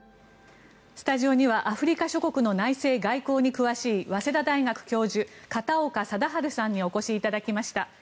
スタジオにはアフリカ諸国の内政・外交に詳しい早稲田大学教授、片岡貞治さんにお越しいただきました。